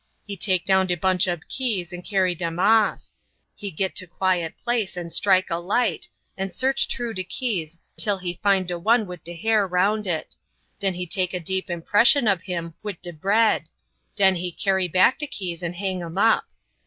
He take down de bunch ob keys and carry dem off. He git to quiet place and strike a light, and search t'rough de keys till he find de one wid de hair round it; den he take a deep impression ob him wid de bread; den he carry back the keys and hang 'em up.